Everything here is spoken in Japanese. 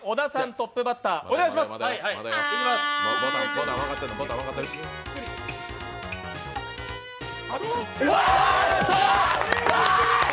トップバッター、お願いします。わ！